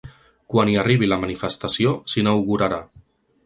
Quan hi arribi la manifestació, s’inaugurarà.